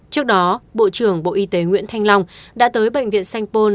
trước đó bộ trưởng bộ y tế nguyễn thanh long đã tới bệnh viện sanh pôn